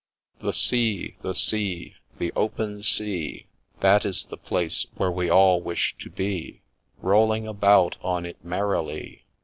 ' The Sea ! the Sea ! the open Sea !— That is the place where we all wish to be, Rolling about on it merrily